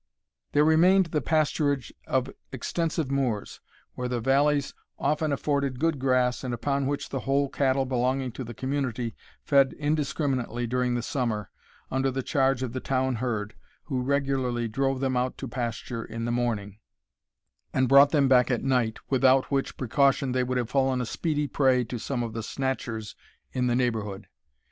There remained the pasturage of extensive moors, where the valleys often afforded good grass, and upon which the whole cattle belonging to the community fed indiscriminately during the summer, under the charge of the Town herd, who regularly drove them out to pasture in the morning, and brought them back at night, without which precaution they would have fallen a speedy prey to some of the Snatchers in the neighbourhood.